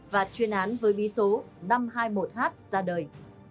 và chuyên án với bí số năm trăm hai mươi một h ra đời